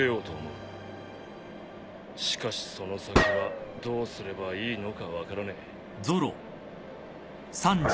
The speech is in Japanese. しかしその先はどうすればいいのか分からねえ。